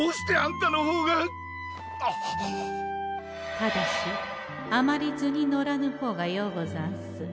ただしあまり図に乗らぬほうがようござんす。